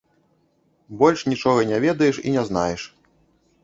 Больш нічога не ведаеш і не знаеш.